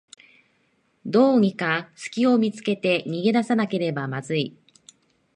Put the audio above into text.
どうにかすきを見つけて逃げなければまずい